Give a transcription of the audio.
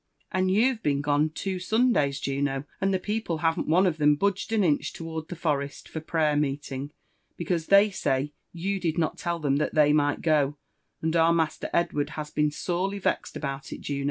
And you've been gone two tM UFE AND ADVENTUREB OF Sandtys, Judo, and the people haveD't one of them budged an inch towarde (he toreit for prayer'*meeUDg» because, they say, yott did d«H tell them that they might go ; and our master Edward has been sorely yexed about it, Juno.'